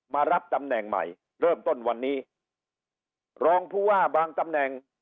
มารับตำแหน่งใหม่เริ่มต้นวันนี้รองผู้ว่าบางตำแหน่ง